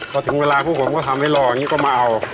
พอถึงเวลาพวกผมก็ทำให้รออย่างนี้ก็มาเอา